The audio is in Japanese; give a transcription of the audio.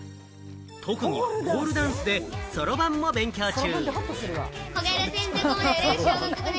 特技はポールダンスで、そろばんも勉強中。